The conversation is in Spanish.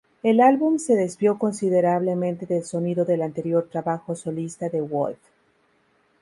El álbum se desvió considerablemente del sonido del anterior trabajo solista de Wolf.